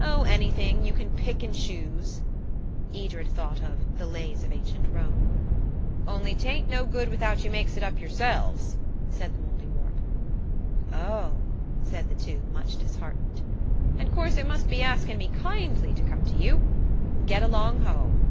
"Oh, anything. You can pick and choose." Edred thought of "The Lays of Ancient Rome." "Only 'tain't no good without you makes it up yourselves," said the Mouldiwarp. "Oh!" said the two, much disheartened. "And course it must be askin' me to kindly come to you. Get along home."